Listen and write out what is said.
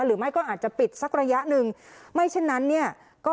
หรือไม่ก็อาจจะปิดสักระยะหนึ่งไม่เช่นนั้นเนี่ยก็